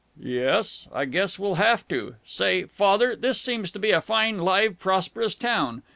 "Yes, I guess we'll have to.... Say, Father, this seems to be a fine, live, prosperous town.